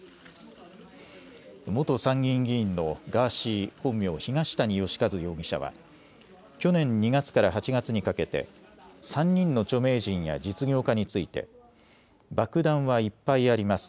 元参議院議員のガーシー、本名、東谷義和容疑者は去年２月から８月にかけて３人の著名人や実業家について爆弾はいっぱいあります。